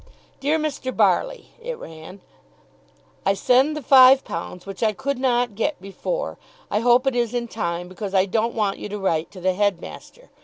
"DEAR MR. BARLEY," it ran. "I send the £5, which I could not get before. I hope it is in time, because I don't want you to write to the headmaster.